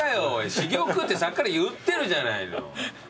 珠玉ってさっきから言ってるじゃないの。